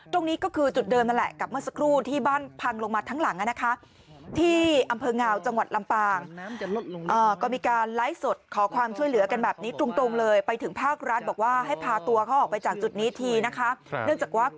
ตรงนี้ก็คือจุดเดิมนั่นแหละกับเมื่อสักครู่